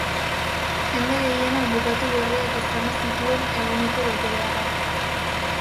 Jende gehienak bukatu berriak izango zituen eguneko betebeharrak.